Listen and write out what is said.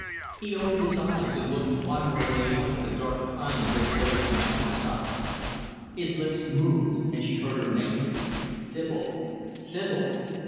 He opened his eyes and looked wonderingly up at the dark pines that clothed the mountainsides. His lips moved and she heard her name; "Sibyl, Sibyl."